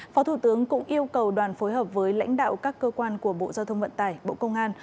phó thủ tướng cũng yêu cầu đoàn phối hợp với lãnh đạo các cơ quan của bộ giao thông vận tải bộ công an